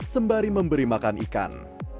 sembari memberi makan ikan